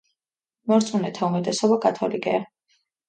მორწმუნეთა უმეტესობა კათოლიკეა.